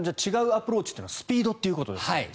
違うアプローチというのはスピードということですか。